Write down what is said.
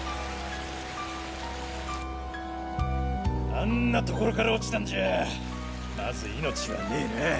あんな所から落ちたんじゃあまず命はねぇな。